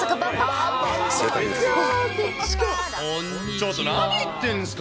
ちょっと何言ってるんですか。